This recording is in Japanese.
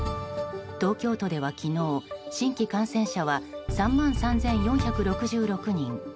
東京都では昨日新規感染者は３万３４６６人。